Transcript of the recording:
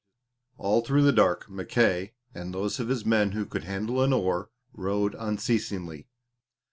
All through the dark, Mackay and those of his men who could handle an oar rowed unceasingly.